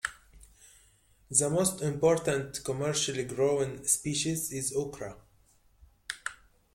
The most important commercially-grown species is okra.